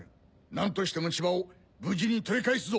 何としても千葉を無事に取り返すぞ。